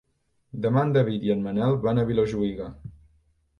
Demà en David i en Manel van a Vilajuïga.